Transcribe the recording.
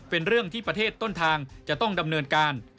เป็นเรื่องที่ประเทศต้นทางจะต้องดำเนินการ